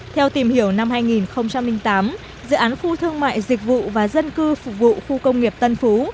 theo tìm hiểu năm hai nghìn tám dự án khu thương mại dịch vụ và dân cư phục vụ khu công nghiệp tân phú